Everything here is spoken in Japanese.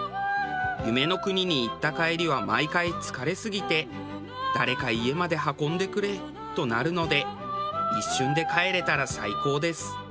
夢の国に行った帰りは毎回疲れすぎて「誰か家まで運んでくれ」となるので一瞬で帰れたら最高です。